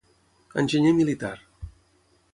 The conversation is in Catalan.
Enginyer militar.